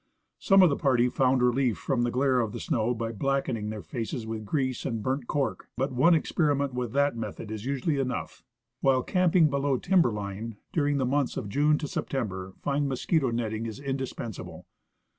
Some of the party found relief from the glare of the snow by blacking their faces with grease and burnt cork, but one experiment with that method is usually enough. While camping beloAV timber line during the months of June to September fine mosquito netting is indispensable.